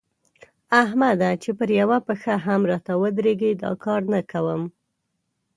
احمده! چې پر يوه پښه هم راته ودرېږي؛ دا کار نه کوم.